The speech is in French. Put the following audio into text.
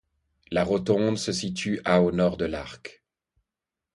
La rotonde se situe à au nord de l'arc.